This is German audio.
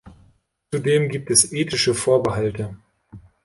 Zudem gibt es ethische Vorbehalte.